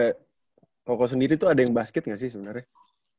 di background keluarga koko sendiri tuh ada yang basket gak sih sebenernya